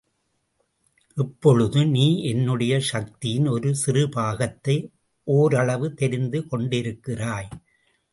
இப்பொழுது நீ என்னுடைய சக்தியின் ஒரு சிறுபாகத்தை ஓரளவு தெரிந்து கொண்டிருக்கிறாய்.